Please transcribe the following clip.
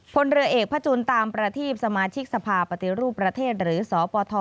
พลเรือเอกพระจุลตามประทีปสมาชิกสภาปฏิรูปประเทศหรือสปท